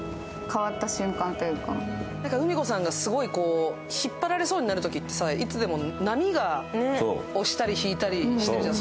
うみ子さんがすごい引っ張られそうになるときってさ、いつでも波が押したり引いたりしてるじゃない。